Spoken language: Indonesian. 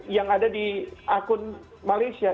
yang ada di akun malaysia